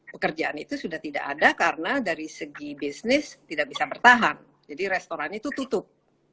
pekerjaan itu sudah tidak ada karena dari segi bisnis tidak bisa bertahan jadi restoran itu tutup